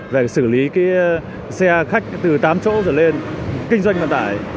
về xử lý xe khách từ tám chỗ dẫn lên kinh doanh vận tải